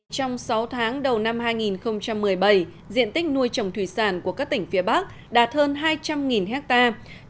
trong sáu tháng đầu năm hai nghìn một mươi bảy diện tích nuôi trồng thủy sản của các tỉnh phía bắc đạt hơn hai trăm linh hectare